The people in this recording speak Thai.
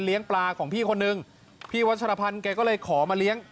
ปลาของพี่คนนึงพี่วัชรพันธ์แกก็เลยขอมาเลี้ยง